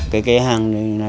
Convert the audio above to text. cái hàng này là